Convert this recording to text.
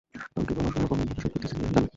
আমি কেবল অসহায় অকর্মণ্য ভাবে শোক করিতেই জানি।